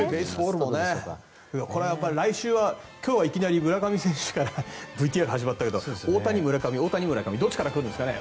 これは来週は今日はいきなり村上選手からＶＴＲ始まったけど大谷、村上、大谷、村上どっちから来るんですかね？